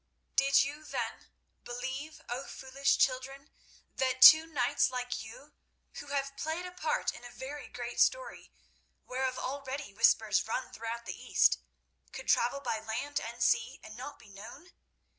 Did you then believe, O foolish children, that two knights like you, who have played a part in a very great story, whereof already whispers run throughout the East, could travel by land and sea and not be known?